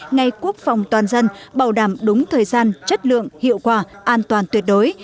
ngày quốc phòng toàn dân bảo đảm đúng thời gian chất lượng hiệu quả an toàn tuyệt đối